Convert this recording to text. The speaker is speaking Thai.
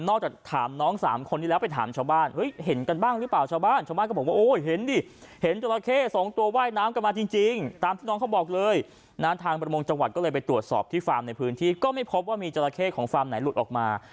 นอกจากถามน้อง๓คนที่แล้วไปถามชาวบ้านเฮ้ยเห็นกันบ้างหรือเปล่าชาวบ้านก็บอกว่าโอ้ยเห็นดิ